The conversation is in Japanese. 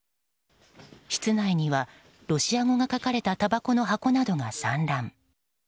室内にはロシア語が書かれたたばこの箱などが散乱。